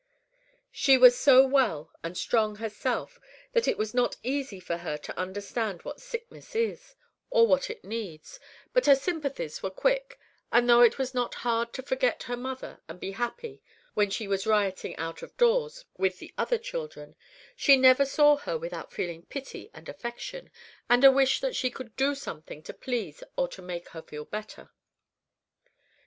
She was so well and strong herself that it was not easy for her to understand what sickness is, or what it needs; but her sympathies were quick, and though it was not hard to forget her mother and be happy when she was rioting out of doors with the other children, she never saw her without feeling pity and affection, and a wish that she could do something to please or to make her feel better.